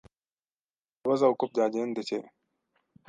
Ndabaza uko byagendekeye .